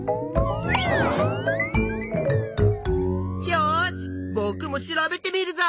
よしぼくも調べてみるぞ！